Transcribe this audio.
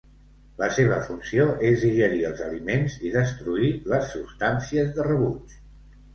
La seva funció és digerir els aliments i destruir les substàncies de rebuig.